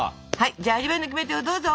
じゃあ味わいのキメテをどうぞ！